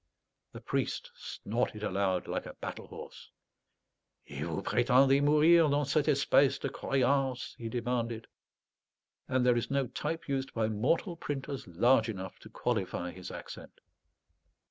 The priest snorted aloud like a battle horse. "Et vous prétendez mourir dans cette espèce de croyance?" he demanded; and there is no type used by mortal printers large enough to qualify his accent.